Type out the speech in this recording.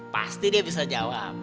pasti dia bisa jawab